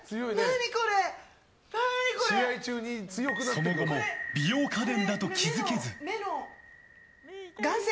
その後も美容家電だと気付けず。